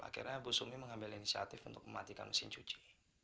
akhirnya ibu sumi mengambil inisiatif untuk mematikan mesin cuci